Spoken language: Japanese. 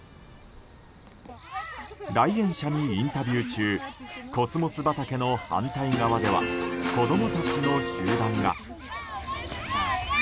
来園者にインタビュー中コスモス畑の反対側では子供たちの集団が。